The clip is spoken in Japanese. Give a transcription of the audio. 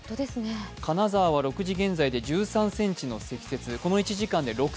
金沢は６時現在で１３ｃｍの積雪。